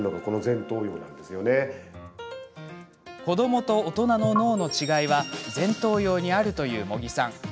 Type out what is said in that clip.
子どもと大人の脳の違いは前頭葉にあるという茂木さん。